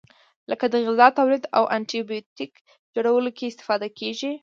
لکه د غذا تولید او انټي بیوټیک جوړولو کې استفاده کیږي.